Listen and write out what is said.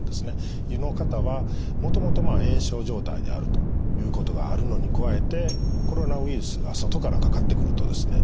という方はもともと炎症状態であるということがあるのに加えてコロナウイルスが外からかかってくるとですね